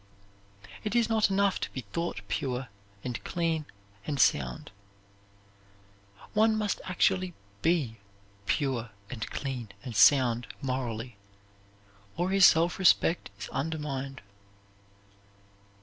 It is not enough to be thought pure and clean and sound. One must actually be pure and clean and sound morally, or his self respect is undermined.